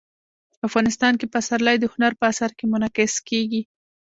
افغانستان کې پسرلی د هنر په اثار کې منعکس کېږي.